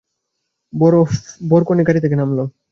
বরকনে গাড়ি থেকে নামল।